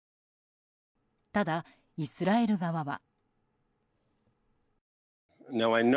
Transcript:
ただ、イスラエル側は。